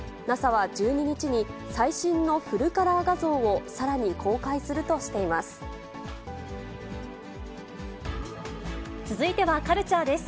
ＮＡＳＡは１２日に最新のフルカラー画像を、さらに公開するとしています。